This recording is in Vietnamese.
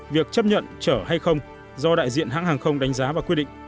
việc chấp nhận chở hay không do đại diện hãng hàng không đánh giá và quy định